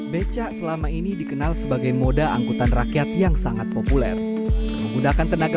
becak selama ini dikenal sebagai moda angkutan rakyat yang sangat populer menggunakan tenaga